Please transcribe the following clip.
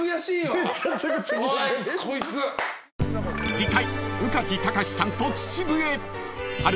［次回］